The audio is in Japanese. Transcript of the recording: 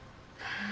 あ。